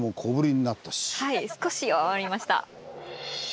はい少し弱まりました。